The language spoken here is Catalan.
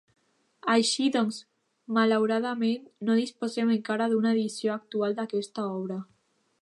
Així doncs, malauradament, no disposem encara d’una edició actual d’aquesta obra.